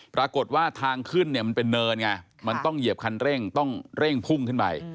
ปรากฏว่าทางขึ้นเนี่ยมันเป็นเนินไงมันต้องเหยียบคันเร่งต้องเร่งพุ่งขึ้นไป